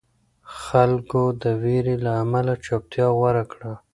خلکو د وېرې له امله چوپتیا غوره کړه.